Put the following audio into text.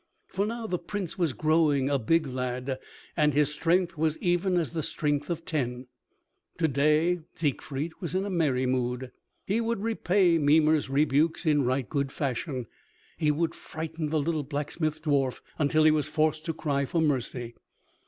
For now the Prince was growing a big lad, and his strength was even as the strength of ten. To day Siegfried was in a merry mood. He would repay Mimer's rebukes in right good fashion. He would frighten the little blacksmith dwarf until he was forced to cry for mercy.